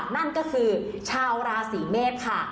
นั่นก็คือชาวราศีเมษค่ะ